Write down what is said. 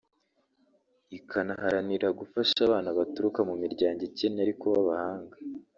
ikanaharanira gufasha abana baturuka mu miryango ikennye ariko b’abahanga